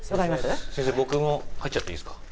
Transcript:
先生僕も入っちゃっていいですか？